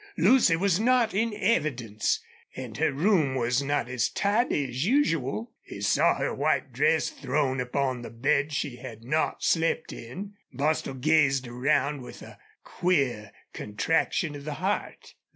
Lucy was not in evidence, and her room was not as tidy as usual. He saw her white dress thrown upon the bed she had not slept in. Bostil gazed around with a queer contraction of the heart.